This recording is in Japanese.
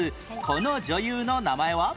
この女優の名前は？